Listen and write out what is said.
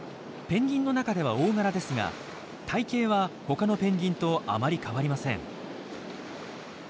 ペンギンの中では大柄ですが体形は他のペンギンとあまり変わりません。